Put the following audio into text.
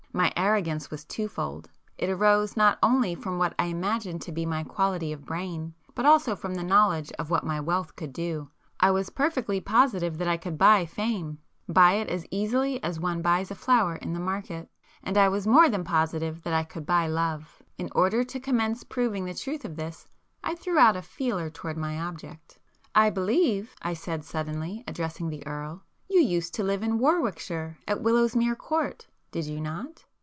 My arrogance was two fold,—it arose not only [p 137] from what I imagined to be my quality of brain, but also from the knowledge of what my wealth could do. I was perfectly positive that I could buy Fame,—buy it as easily as one buys a flower in the market,—and I was more than positive that I could buy love. In order to commence proving the truth of this, I threw out a 'feeler' towards my object. "I believe," I said suddenly, addressing the Earl—"you used to live in Warwickshire at Willowsmere Court did you not?"